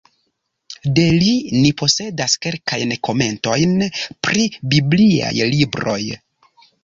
De li ni posedas kelkajn komentojn pri bibliaj libroj.